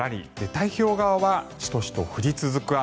太平洋側はシトシト降り続く雨。